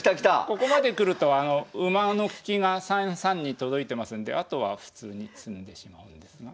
ここまで来ると馬の利きが３三に届いてますんであとは普通に詰んでしまうんですが。